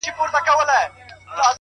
که بېله مينې د ليلا تصوير په خوب وويني”